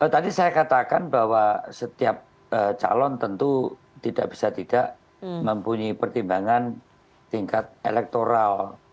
tadi saya katakan bahwa setiap calon tentu tidak bisa tidak mempunyai pertimbangan tingkat elektoral